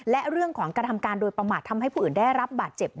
และเรื่องของกระทำการโดยประมาททำให้ผู้อื่นได้รับบาดเจ็บ